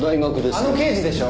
あの刑事でしょ？